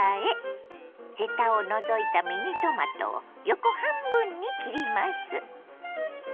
ヘタを除いたミニトマトを横半分に切ります。